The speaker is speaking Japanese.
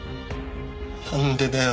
なんでだよ。